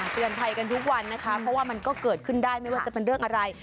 เตือนภัยกันทุกวันนะคะเพราะว่ามันก็เกิดขึ้นได้ไม่ว่าจะเป็นเรื่องอะไร